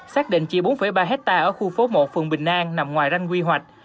xác định chỉ bốn ba hectare ở khu phố một phường bình an nằm ngoài ranh quy hoạch